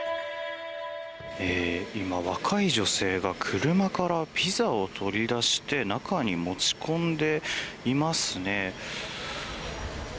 今、若い女性が車からピザを取り出して中に持ち込んでいますね。